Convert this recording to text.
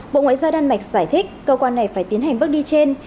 bộ ngoại giao đan mạch giải thích cơ quan này phải tiến hành bước đi trên